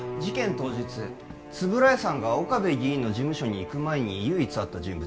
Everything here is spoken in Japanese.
当日円谷さんが岡部議員の事務所に行く前に唯一会った人物